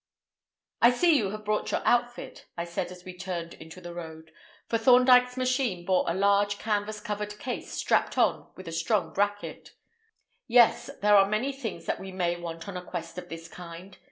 "I see you have brought your outfit," I said as we turned into the road; for Thorndyke's machine bore a large canvas covered case strapped on to a strong bracket. "Yes; there are many things that we may want on a quest of this kind.